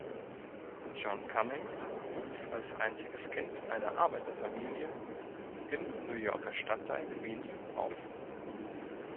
John Cummings wuchs als einziges Kind einer Arbeiterfamilie im New Yorker Stadtteil Queens auf.